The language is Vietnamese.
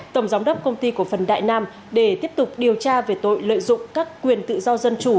tổng giám đốc công ty cổ phần đại nam để tiếp tục điều tra về tội lợi dụng các quyền tự do dân chủ